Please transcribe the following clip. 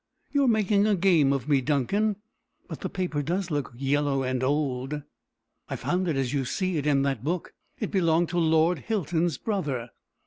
'_ You are making game of me, Duncan. But the paper does look yellow and old." "I found it as you see it, in that book. It belonged to Lord Hilton's brother.